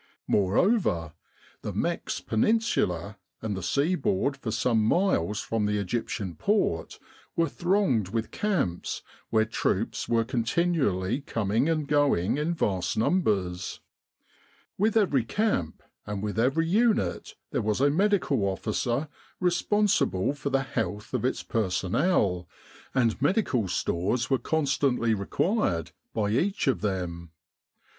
Moreover, the Mex Peninsula and the sea board for some miles from the Egyptian port were thronged with camps where troops were continually coming and going in vast numbers. With every camp and with every unit there was a Medical Officer responsible for the health of its personnel, and medical stores were constantly required by each of them.